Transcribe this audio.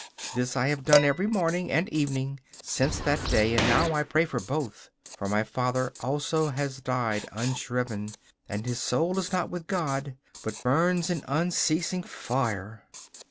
This I have done every morning and evening since that day, and now I pray for both; for my father also has died unshriven, and his soul is not with God, but burns in unceasing fire.